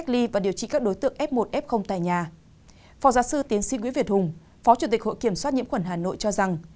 phó giáo sư tiến sĩ nguyễn việt hùng phó chủ tịch hội kiểm soát nhiễm khuẩn hà nội cho rằng